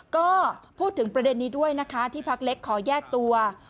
ก็พูดถึงประเด็นนี้ด้วยนะคะที่พักเล็กขอแยกตัว